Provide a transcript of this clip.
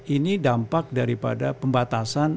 ini dampak daripada pembatasan